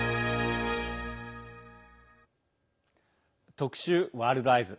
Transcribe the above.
特集「ワールドＥＹＥＳ」。